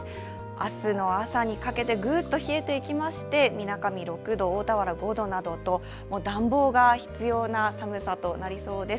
明日の朝にかけてグッと冷えていきまして、みなかみ６度、大田原５度などと暖房が必要な寒さとなりそうです。